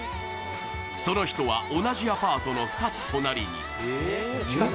その人は同じアパートの２つ隣に。